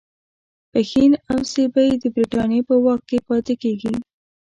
پښین او سیبی د برټانیې په واک کې پاتیږي.